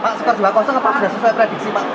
pak skor dua pak sudah selesai prediksi pak